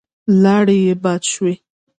لاړې يې باد شوې.